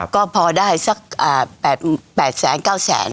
ก็พอได้สัก๘๙แสน